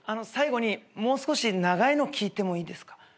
最後にもう少し長いの聞いてもいいですか？